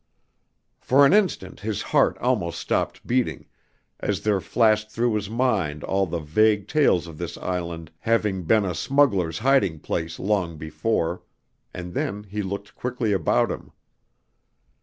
For an instant his heart almost stopped beating, as there flashed through his mind all the vague tales of this island having been a smuggler's hiding place long before, and then he looked quickly about him.